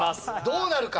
どうなるか！？